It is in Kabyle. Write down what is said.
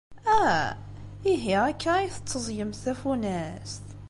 Ah, ihi akka ay tetteẓẓgemt tafunast?